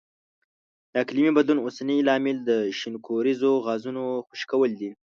د اقلیمي بدلون اوسنی لامل د شینکوریزو غازونو خوشې کول دي.